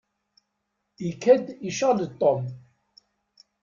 Ikad-d icɣel-d Tom.